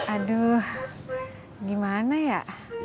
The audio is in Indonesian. aduh gimana ya